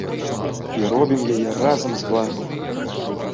І робім яе разам з вамі!